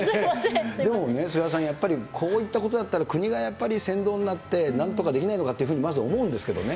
でも、菅原さん、こういったことだったら国がやっぱり先頭になって、なんとかできないのかなというふうにまず思うんですけどね。